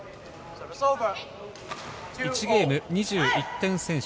１ゲーム２１点先取。